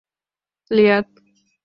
Лият!